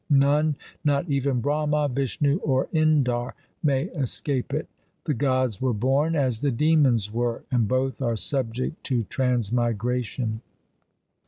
None' — not even Brahma, Vishnu, or Indar — may escape it. The gods were born as the demons were, and both are subject to transmigration.